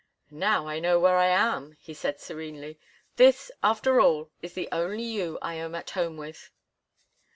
"Now I know where I am," he said, serenely. "This, after all, is the only you I am at home with."